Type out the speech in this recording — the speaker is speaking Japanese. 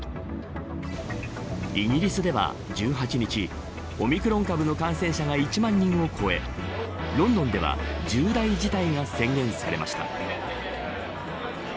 イギリスでは１８日オミクロン株の感染者が１万人を超えロンドンでは重大事態が宣言されました。